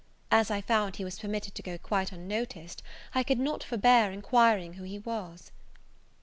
As I found he was permitted to go quite unnoticed, I could not forbear enquiring who he was.